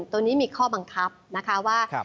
ตัวนี้มีข้อบังคับนะคะว่า